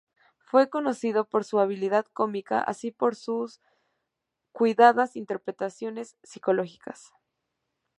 Fue conocido por su habilidad cómica, así como por sus cuidadas interpretaciones psicológicas.